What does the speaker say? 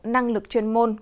năng lực chuyên môn